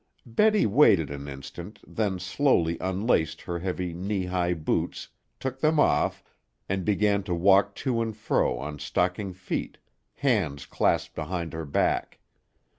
Betty waited an instant, then slowly unlaced her heavy, knee high boots, took them off, and began to walk to and fro on stocking feet, hands clasped behind her back.